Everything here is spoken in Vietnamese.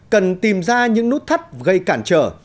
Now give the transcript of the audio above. cần tìm ra những nút thắt gây cản trở